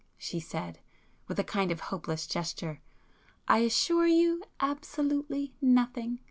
she said, with a kind of hopeless gesture—"I assure you, absolutely nothing!